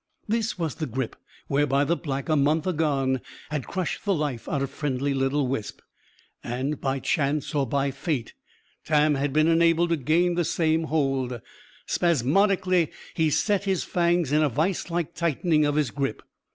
This was the grip whereby the Black, a month agone, had crushed the life out of friendly little Wisp. And, by chance or by fate, Tam had been enabled to gain the same hold. Spasmodically, he set his fangs in a viselike tightening of his grip.